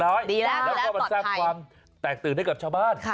แล้วก็มันสร้างความแตกตื่นให้กับชาวบ้าน